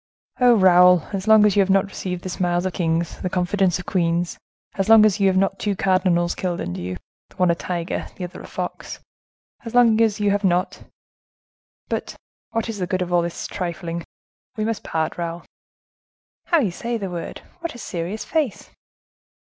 Oh, Raoul, as long as you have not received the smiles of kings, the confidence of queens; as long as you have not had two cardinals killed under you, the one a tiger, the other a fox; as long as you have not—But what is the good of all this trifling? We must part, Raoul." "How you say the word! What a serious face!"